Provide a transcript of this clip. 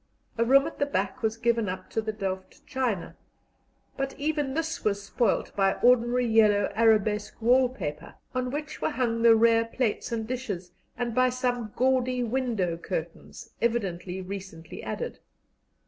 A room at the back was given up to the Delft china, but even this was spoilt by ordinary yellow arabesque wall paper, on which were hung the rare plates and dishes, and by some gaudy window curtains, evidently recently added.